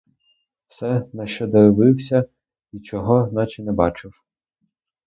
Все, на що дивився й чого наче не бачив.